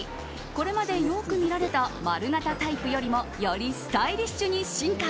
これまでよく見られた丸型タイプよりもよりスタイリッシュに進化。